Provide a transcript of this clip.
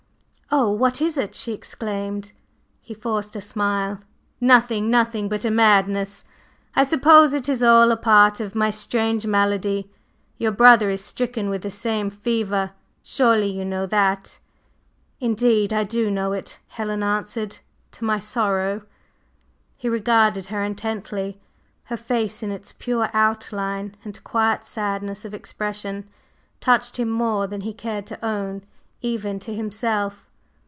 "Oh, what is it?" she exclaimed. He forced a laugh. "Nothing nothing but a madness! I suppose it is all a part of my strange malady. Your brother is stricken with the same fever. Surely you know that?" "Indeed I do know it," Helen answered, "to my sorrow!" He regarded her intently. Her face in its pure outline and quiet sadness of expression touched him more than he cared to own even to himself.